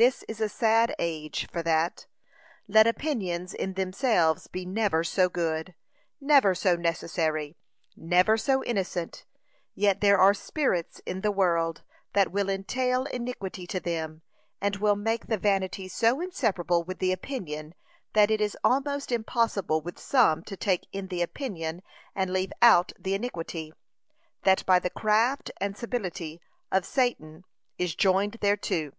This is a sad age for that; let opinions in themselves be never so good, never so necessary, never so innocent, yet there are spirits in the world that will entail iniquity to them, and will make the vanity so inseparable with the opinion, that it is almost impossible with some to take in the opinion and leave out the iniquity, that by the craft and subtility of Satan is joined thereto.